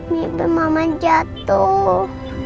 mimpi mama jatuh